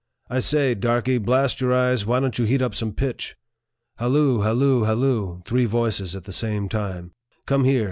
" I say, darky, blast your eyes, why don't you heat up some pitch ?" "Halloo! halloo! halloo!" (Three voices at the same time.) " Come here